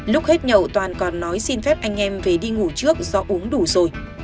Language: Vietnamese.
lúc hết nhậu toàn còn nói xin phép anh em về đi ngủ trước do uống đủ rồi